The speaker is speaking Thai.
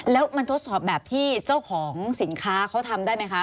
แล้วมันทดสอบแบบที่เจ้าของสินค้าเขาทำได้ไหมคะ